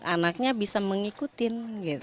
anaknya bisa mengikutin